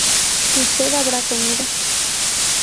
Usted habrá comido